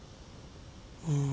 うん。